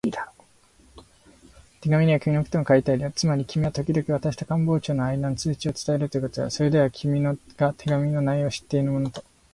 手紙には君のことも書いてあるよ。つまり君はときどき私と官房長とのあいだの通知を伝えるということだ。それで私は、君が手紙の内容を知っているものと